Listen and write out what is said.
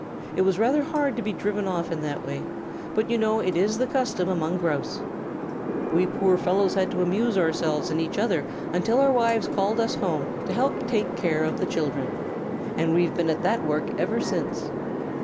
It was rather hard to be driven off in that way, but you know it is the custom among Grouse. We poor fellows had to amuse ourselves and each other until our wives called us home to help take care of the children. We've been at that work ever since."